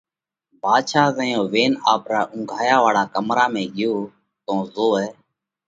ڀاڌشا زئيون وينَ آپرا اُونگھايا واۯا ڪمرا ۾ ڳيو تو زوئه